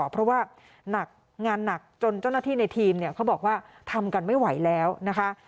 เพราะว่าหนักงานหนักจนเจ้าหน้าที่ในทีมเนี่ยเขาบอกว่าทำกันไม่ไหวแล้วนะคะ